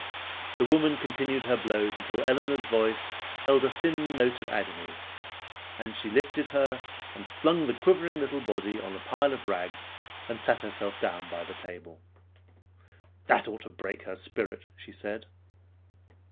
The woman continued her blows until Elinor's voice held a thin note of agony, and she lifted her and flung the quivering little body on a pile of rags, and sat herself down by the table. "That ought to break her spirit," she said.